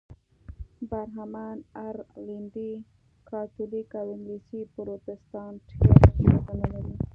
برهمن، ارلنډي کاتولیک او انګلیسي پروتستانت یو ډول روزنه لري.